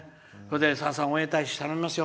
さださん応援大使頼みますね！